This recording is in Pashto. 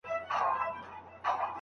تېر وخت یوازي یو یاد دی.